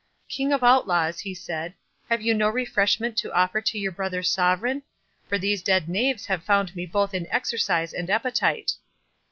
—"King of Outlaws," he said, "have you no refreshment to offer to your brother sovereign? for these dead knaves have found me both in exercise and appetite."